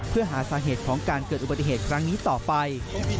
เพื่อหาสาเหตุของการเกิดอุบัติเหตุครั้งนี้ต่อไป